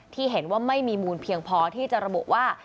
ที่เห็นว่าไม่มีมูลเพียงพอที่จะระบุว่า